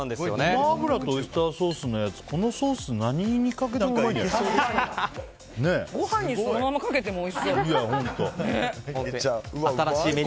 これ、ゴマ油とオイスターソースのやつこのソース何にかけてもおいしいね。